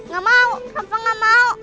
gak mau rafa gak mau